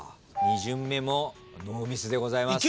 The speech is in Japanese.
２巡目もノーミスでございます。